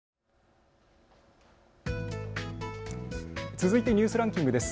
続いてニュースランキングです。